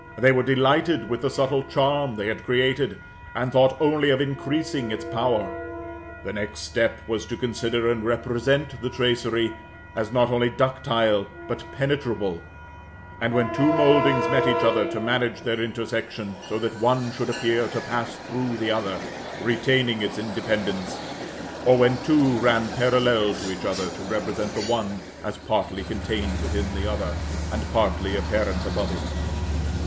They were delighted with the subtle charm they had created, and thought only of increasing its power. The next step was to consider and represent the tracery, as not only ductile, but penetrable; and when two mouldings met each other, to manage their intersection, so that one should appear to pass through the other, retaining its independence; or when two ran parallel to each other, to represent the one as partly contained within the other, and partly apparent above it.